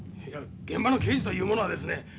現場の刑事というものはですね